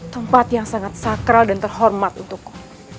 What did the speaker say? tempat yang sangat sakral dan terhormat untukku